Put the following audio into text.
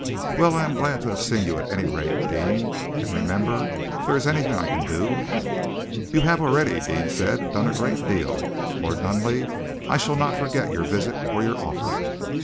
"Well, I am glad to have seen you, at any rate, Deane, and remember, if there is anything I can do " "You have already," Deane said, "done a great deal, Lord Nunneley. I shall not forget your visit or your offer."